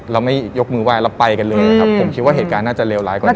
เราไม่ยกมือไห้เราไปกันเลยนะครับผมคิดว่าเหตุการณ์น่าจะเลวร้ายกว่านี้